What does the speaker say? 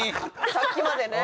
さっきまでねえ。